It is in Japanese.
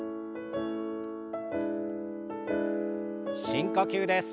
深呼吸です。